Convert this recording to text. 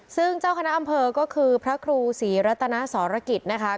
ซึ่งเจ้าคณะอำเภอก็คือพระครูศรีรัตนสรกิจนะคะ